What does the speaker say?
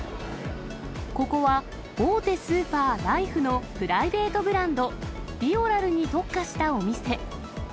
ここは、大手スーパー、ライフのプライベートブランド、ビオラルに特化したお店。